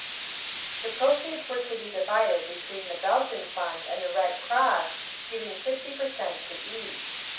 The proceeds were to be divided between the Belgian Fund and the Red Cross, giving fifty per cent to each.